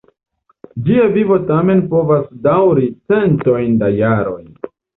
Ĝia vivo tamen povas daŭri centojn da jaroj.